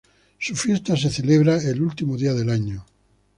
Su fiesta se celebra el último día del año.